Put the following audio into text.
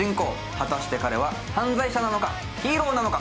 果たして彼は犯罪者なのか、ヒーローなのか。